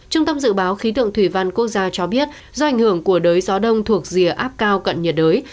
trung tâm dự báo khí tượng thủy văn quốc gia cho biết do ảnh hưởng của đới gió đông thuộc rìa áp cao cận nhiệt đới